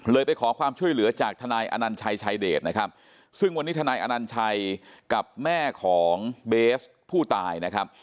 ไปขอความช่วยเหลือจากทนายอนัญชัยชายเดชนะครับซึ่งวันนี้ทนายอนัญชัยกับแม่ของเบสผู้ตายนะครับ